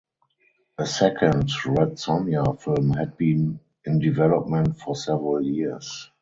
A second "Red Sonja" film had been in development for several years.